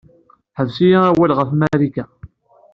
Ḥbes-iyi awal ɣef Marika.